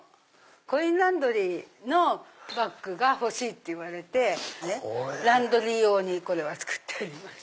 コインランドリーのバッグが欲しいって言われてランドリー用にこれは作ってあります。